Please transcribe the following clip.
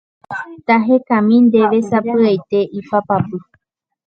tahekami ndéve sapy'aite ipapapy.